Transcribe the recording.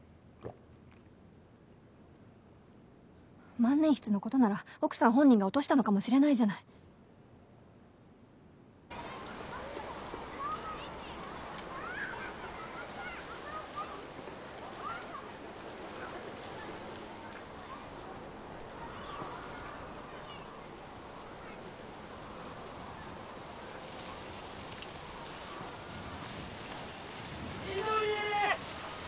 万年筆のことなら奥さん本人が落としたのかもしれないじゃない翠！